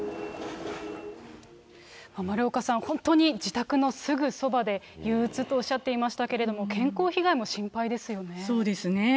丸岡さん、本当に自宅のすぐそばで憂うつとおっしゃっていましたけれども、そうですね。